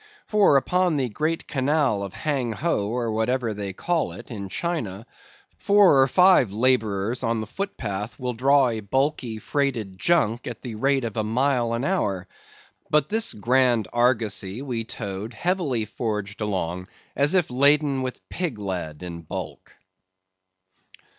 For, upon the great canal of Hang Ho, or whatever they call it, in China, four or five laborers on the foot path will draw a bulky freighted junk at the rate of a mile an hour; but this grand argosy we towed heavily forged along, as if laden with pig lead in bulk.